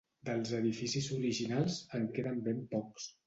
Dels edificis originals, en queden ben pocs.